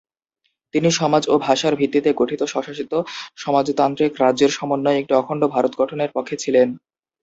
তিনি সমাজ ও ভাষার ভিত্তিতে গঠিত স্বশাসিত সমাজতান্ত্রিক রাজ্যের সমন্বয়ে একটি অখণ্ড ভারত গঠনের পক্ষে ছিলেন।